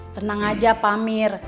tenang aja pamir